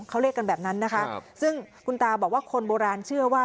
เขาเรียกกันแบบนั้นนะคะซึ่งคุณตาบอกว่าคนโบราณเชื่อว่า